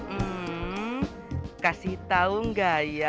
hmm kasih tahu nggak ya